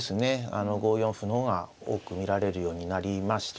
あの５四歩の方が多く見られるようになりました。